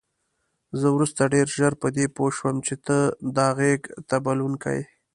زه وروسته ډېره ژر په دې پوه شوم چې ته دا غېږ ته بلونکی.